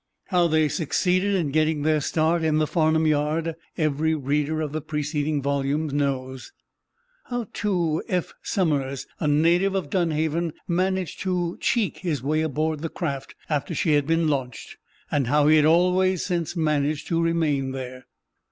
How they succeeded in getting their start in the Farnum yard, every reader of the preceding volumes knows; how, too, Eph Somers, a native of Dunhaven, managed to "cheek" his way aboard the craft after she had been launched, and how he had always since managed to remain there.